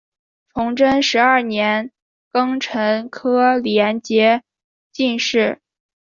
崇祯十二年庚辰科联捷进士。